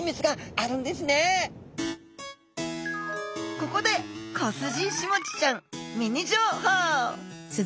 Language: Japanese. ここでコスジイシモチちゃんミニ情報。